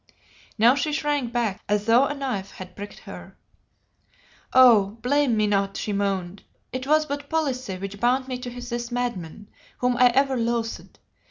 Now she shrank back as though a knife had pricked her. "Oh! blame me not," she moaned, "it was but policy which bound me to this madman, whom I ever loathed.